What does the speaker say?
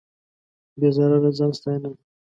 بې ضرره ځان ستاینه وه.